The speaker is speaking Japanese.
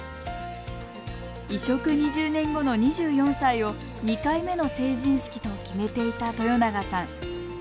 移植２０年後の２４歳を２回目の成人式と決めていた豊永さん。